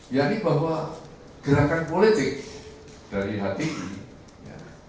yang ini bahwa gerakan politik dari hati ini